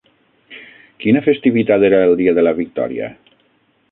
Quina festivitat era el dia de la victòria?